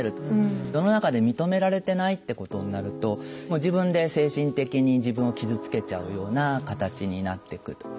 世の中で認められてないってことになると自分で精神的に自分を傷つけちゃうような形になっていく。